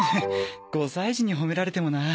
５歳児にほめられてもな